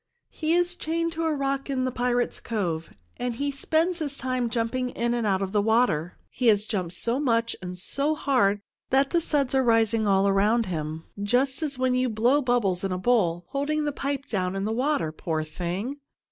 "He is chained to a rock in the Pirate's Cove, and he spends his time jumping in and out of the water. He has jumped so much and so hard that the suds are rising all around him just as when you blow bubbles in a bowl, holding the pipe down in the water. Poor thing!